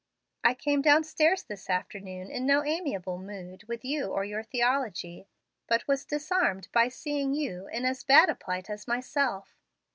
I came downstairs this afternoon in no amiable mood with you or your theology, but was disarmed by seeing you in as bad a plight as myself.